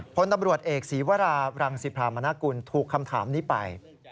พลตำรวจเอกศีวราบรังสิพรามนากุลถูกคำถามนี้ไป